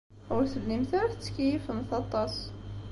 Ur tellimt ara tettkeyyifemt aṭas.